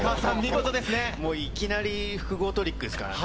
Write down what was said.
いきなり、複合トリックですからね。